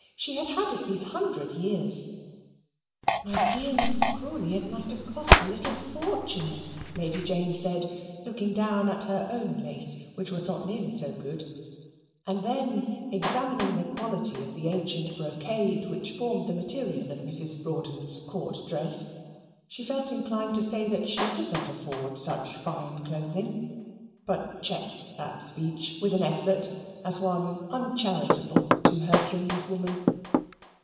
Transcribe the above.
She had had it these hundred years. "My dear Mrs. Crawley, it must have cost a little fortune," Lady Jane said, looking down at her own lace, which was not nearly so good; and then examining the quality of the ancient brocade which formed the material of Mrs. Rawdon's Court dress, she felt inclined to say that she could not afford such fine clothing, but checked that speech, with an effort, as one uncharitable to her kinswoman.